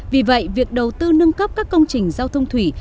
vì vậy việc đầu tư nâng cấp các công trình giao thông thủy